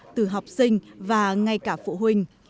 từ học sinh và ngay cả phụ huynh